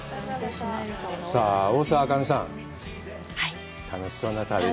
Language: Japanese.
さあ、大沢あかねさん、楽しそうな旅で。